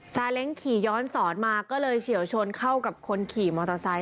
เล้งขี่ย้อนสอนมาก็เลยเฉียวชนเข้ากับคนขี่มอเตอร์ไซค